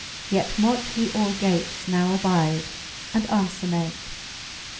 Yet mote he al gates now abide, and anfwere make.